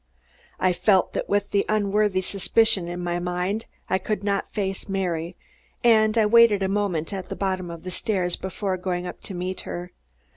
I felt that with the unworthy suspicion in my mind, I could not face Mary, and I waited a moment at the bottom of the stairs before going up to meet her.